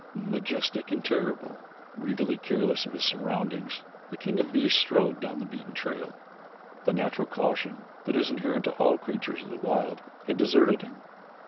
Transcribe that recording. Majestic and terrible, regally careless of his surroundings, the king of beasts strode down the beaten trail. The natural caution that is inherent to all creatures of the wild had deserted him.